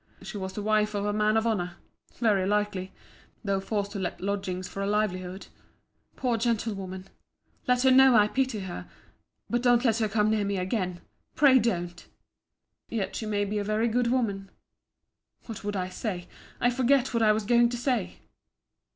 She was the wife of a man of honour—very likely—though forced to let lodgings for a livelihood. Poor gentlewoman! Let her know I pity her: but don't let her come near me again—pray don't! Yet she may be a very good woman— What would I say!—I forget what I was going to say.